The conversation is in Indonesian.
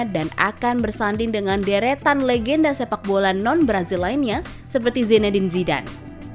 dan akan bersanding dengan deretan legenda sepak bola non brazil lainnya seperti zinedine zidane